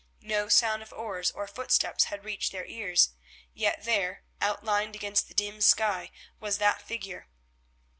No sound of oars or footsteps had reached their ears, yet there, outlined against the dim sky, was the figure.